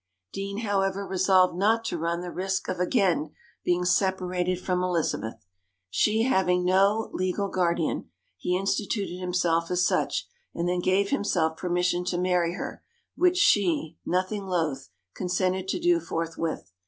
Deane, however, resolved not to run the risk of again being separated from Elizabeth. She having no legal guardian, he instituted himself as such, and then gave himself permission to marry her, which she, nothing loath, consented to do forthwith.